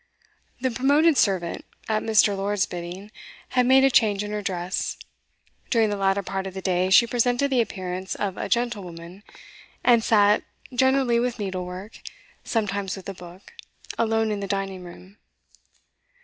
The promoted servant, at Mr. Lord's bidding, had made a change in her dress; during the latter part of the day she presented the appearance of a gentlewoman, and sat, generally with needlework, sometimes with a book, alone in the dining room.